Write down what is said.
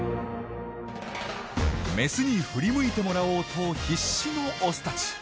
メスに振り向いてもらおうと必死のオスたち。